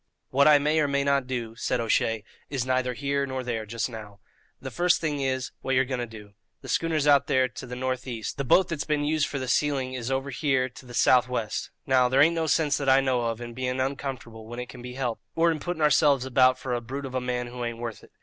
"What I may or may not do," said O'Shea, "is neither here nor there just now. The first thing is, what you're going to do. The schooner's out there to the north east; the boat that's been used for the sealing is over here to the south west; now, there ain't no sinse, that I know of, in being uncomfortable when it can be helped, or in putting ourselves about for a brute of a man who ain't worth it.